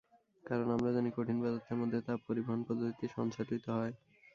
কারণ আমরা জানি, কঠিন পদার্থের মধ্যে তাপ পরিবহন পদ্ধতিতে সঞ্চালিত হয়।